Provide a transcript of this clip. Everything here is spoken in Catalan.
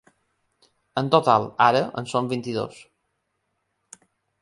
En total, ara, en són vint-i-dos.